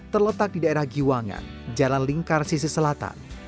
terletak di daerah giwangan jalan lingkar sisi selatan